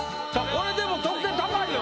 これでも得点高いよ